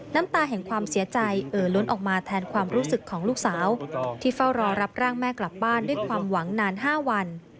น้ำตาแห่งความเสียใจเอ่อล้นออกมาแทนความรู้สึกของลูกสาวที่เฝ้ารอรับร่างแม่กลับบ้านด้วยความหวังนาน๕วัน